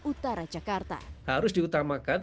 utara jakarta harus diutamakan